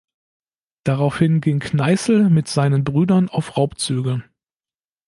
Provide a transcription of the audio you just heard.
Daraufhin ging Kneißl mit seinen Brüdern auf Raubzüge.